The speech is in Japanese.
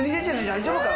大丈夫か？